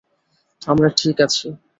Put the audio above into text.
আমরা ঠিক আছি।